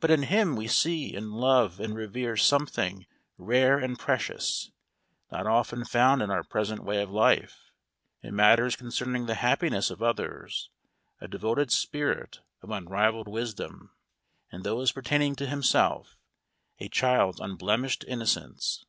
But in him we see and love and revere something rare and precious, not often found in our present way of life; in matters concerning the happiness of others, a devoted spirit of unrivalled wisdom; in those pertaining to himself, a child's unblemished innocence.